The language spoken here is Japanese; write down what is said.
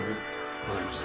分かりました。